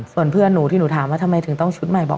ส่วนเพื่อนหนูที่หนูถามว่าทำไมถึงต้องชุดใหม่บอก